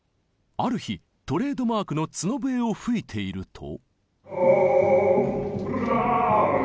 ある日トレードマークの角笛を吹いていると。